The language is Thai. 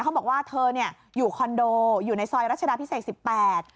เขาบอกว่าเธอเนี่ยอยู่คอนโดอยู่ในซอยรัชดาพิเศษสิบแปด